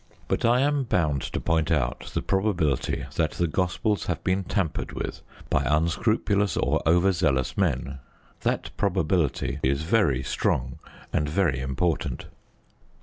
But I am bound to point out the probability that the Gospels have been tampered with by unscrupulous or over zealous men. That probability is very strong, and very important.